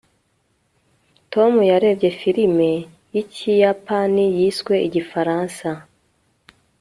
tom yarebye filime yikiyapani yiswe igifaransa